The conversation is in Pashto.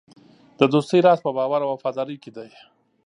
د دوستۍ راز په باور او وفادارۍ کې دی.